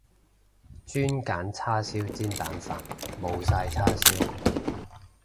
轉揀叉燒煎蛋飯，冇晒叉燒